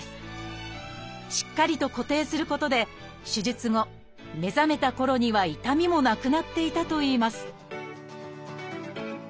しっかりと固定することで手術後目覚めたころには痛みもなくなっていたといいます